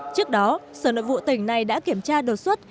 trước đó sở nội vụ tỉnh này đã kiểm tra đột xuất